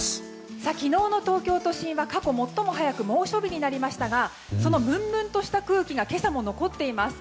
昨日の東京都心は過去最も早く猛暑日になりましたがそのむんむんとした空気が今朝も残っています。